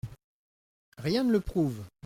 Rien ne le prouve.